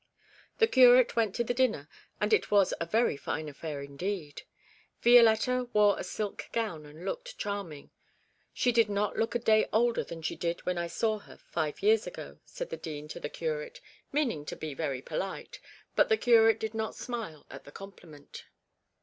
The curate went to the dinner, and it was a very fine affair indeed. Violetta wore a silk gown and looked charming. She does not look a day older than she did when I saw her five years ago,' said the dean to the curate, meaning to be very polite, but the curate did not smile at the compliment.